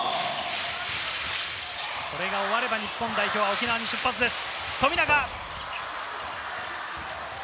これが終われば、日本代表は沖縄に出発です。